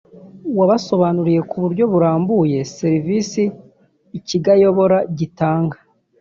wabasobanuriye ku buryo burambuye serivisi ikigo ayobora gitanga